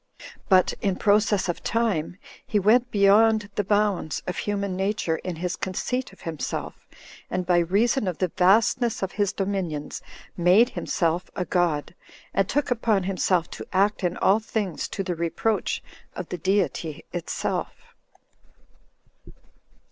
But, in process of time, he went beyond the bounds of human nature in his conceit of himself, and by reason of the vastness of his dominions made himself a god, and took upon himself to act in all things to the reproach of the Deity itself.